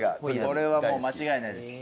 これはもう間違いないです。